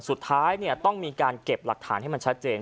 สุดท้ายต้องมีการเก็บหลักฐานให้มันชัดเจน